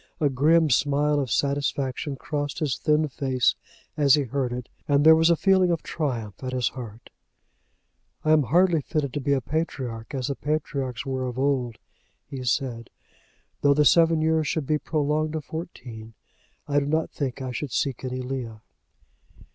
A grim smile of satisfaction crossed his thin face as he heard it, and there was a feeling of triumph at his heart. "I am hardly fitted to be a patriarch, as the patriarchs were of old," he said. "Though the seven years should be prolonged to fourteen I do not think I should seek any Leah."